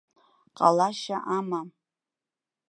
Ҟалашьа амам!